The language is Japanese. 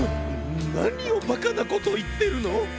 ななにをバカなこといってるの！